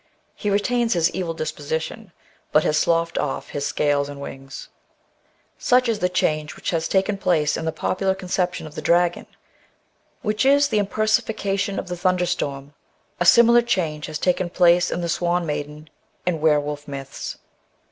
He retains his evil disposition, but has sloughed off his scales and wings. 176 THE BOOK OF WERE WOLVES. Such is the change which has taken place in the popular conception of the dragon, which is an imper Bonification of the thunderstorm. A similar change has taken place in the swan maiden and were wolf myths.